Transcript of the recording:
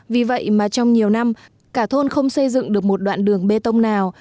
vì vậy mà trong nhiều năm cả thôn không xây dựng được một đoạn đường bê tông nào